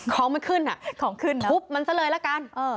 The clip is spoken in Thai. ของมันขึ้นอะทุบมันซะเลยละกัน